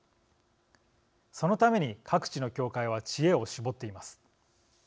そのために各地の協会は知恵を絞っています。